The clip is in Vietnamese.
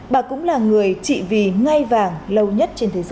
bà cũng là người trị vì ngai vàng lâu nhất trên thế giới